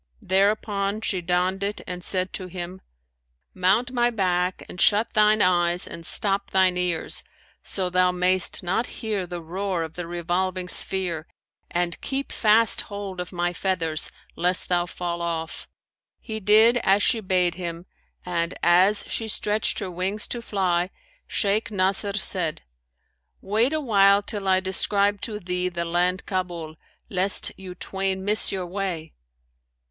There upon she donned it and said to him, 'Mount my back and shut thine eyes and stop thine ears, so thou mayst not hear the roar of the revolving sphere; and keep fast hold of my feathers, lest thou fall off.' He did as she bade him and, as she stretched her wings to fly, Shaykh Nasr said, 'Wait a while till I describe to thee the land Kabul, lest you twain miss your way.'